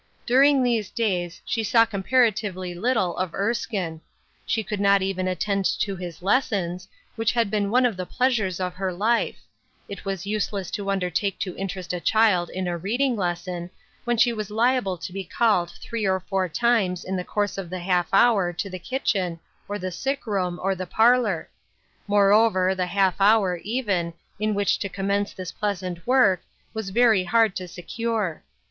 During these days she saw comparatively little of Erskine ; she could not even attend to his lessons, which had been one of the pleasures of her life ; it was useless to undertake to interest a child in a reading lesson, when she was liable to be called 230 WAITING. three or four times in the course of the half hour to the kitchen, or the sick room, or the, parlor ; moreover, the half hour, even, in which to com mence this pleasant work was very hard to secure.